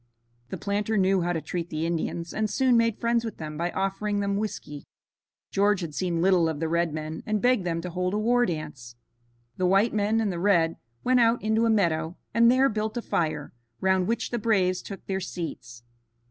The planter knew how to treat the Indians, and soon made friends with them by offering them whiskey. George had seen little of the red men and begged them to hold a war dance. The white men and the red went out into a meadow and there built a fire, round which the braves took their seats.